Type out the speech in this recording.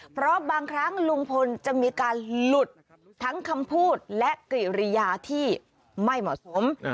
เพราะบางครั้งลุงพลจะมีการหลุดทั้งคำพูดและกิริยาที่ไม่เหมาะสม